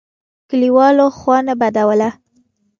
کلیوالو خوا نه بدوله.